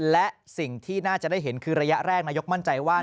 และสิ่งที่น่าจะได้เห็นคือระยะแรกนายกมั่นใจว่า